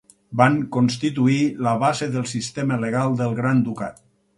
Van constituir la base del sistema legal del Gran Ducat.